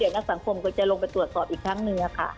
นักสังคมก็จะลงไปตรวจสอบอีกครั้งหนึ่งค่ะ